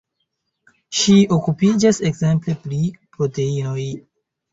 Ŝi okupiĝas ekzemple pri proteinoj.